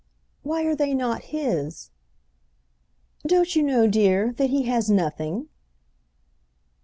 "Why are they not his?" "Don't you know, dear, that he has nothing?"